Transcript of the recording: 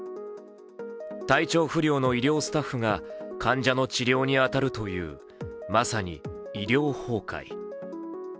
体調不良の医療スタッフが患者の治療に当たるという、まさに医療崩壊。